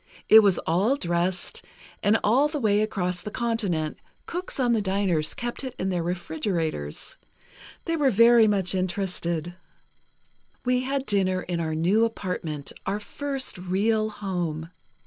It was all dressed, and all the way across the continent, cooks on the diners kept it in their refrigerators. They were very much interested. "We had dinner in our new apartment, our first real home.